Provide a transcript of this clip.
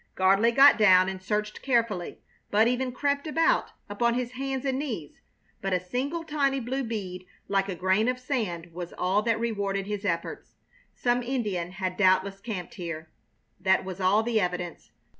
Gardley got down and searched carefully. Bud even crept about upon his hands and knees, but a single tiny blue bead like a grain of sand was all that rewarded his efforts. Some Indian had doubtless camped here. That was all the evidence.